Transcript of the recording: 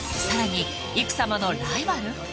さらにいく様のライバル？